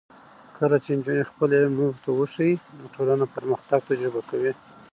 کله چې نجونې خپل علم نورو ته وښيي، نو ټولنه پرمختګ تجربه کوي.